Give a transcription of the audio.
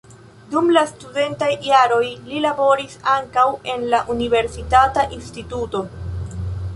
Dum la studentaj jaroj li laboris ankaŭ en la universitata instituto.